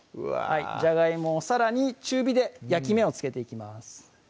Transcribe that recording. じゃがいもをさらに中火で焼き目をつけていきます